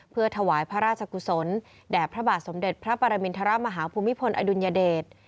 เพื่อถวายพระราชกุศลแด่พระบาทสมเด็จพระปรมินทรมาฮภูมิพลอดุลยเดช